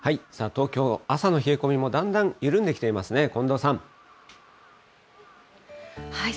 東京、朝の冷え込みもだんだん緩んできていますね。